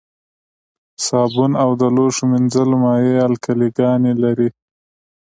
صابون او د لوښو مینځلو مایع القلي ګانې لري.